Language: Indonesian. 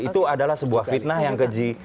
itu adalah sebuah fitnah yang keji